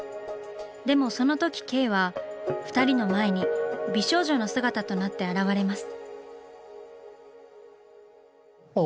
でもそのとき慧は二人の前に美少女の姿となって現れます。